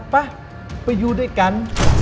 ไปไปอยู่ด้วยกัน